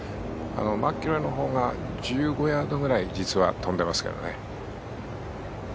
マキロイのほうが１５ヤードくらい実は飛んでますけどね。